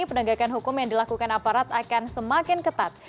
penegakan hukum yang dilakukan aparat akan semakin ketat